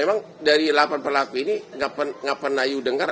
emang dari delapan pelaku ini gak pernah you dengar